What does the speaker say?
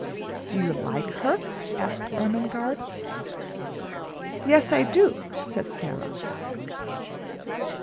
"Do you like her?" asked Ermengarde. "Yes, I do," said Sara.